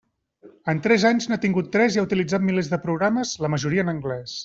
En tres anys n'ha tingut tres i ha utilitzat milers de programes, la majoria en anglès.